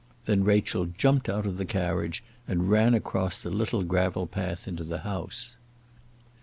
Then Rachel jumped out of the carriage, and ran across the little gravel path into the house.